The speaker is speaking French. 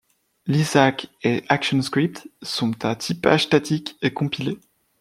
Lisaac et ActionScript sont à typage statique et compilés.